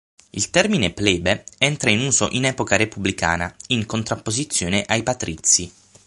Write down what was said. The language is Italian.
Il termine "plebe" entra in uso in epoca repubblicana in contrapposizione ai "patrizi".